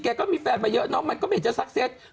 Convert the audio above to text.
ก็มีแฟนมาเยอะเนาะมันก็ไม่เห็นจะซักเซต